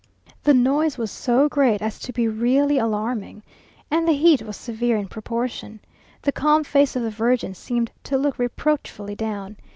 The noise was so great as to be really alarming; and the heat was severe in proportion. The calm face of the Virgin seemed to look reproachfully down.